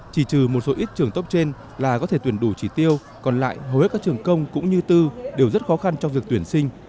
chỉ trừ một số ít trường tốc trên là có thể tuyển đủ chỉ tiêu còn lại hầu hết các trường công cũng như tư đều rất khó khăn trong việc tuyển sinh